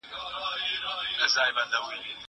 زه مخکي د کتابتون لپاره کار کړي وو!